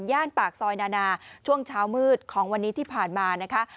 ปากซอยนานาช่วงเช้ามืดของวันนี้ที่ผ่านมานะคะ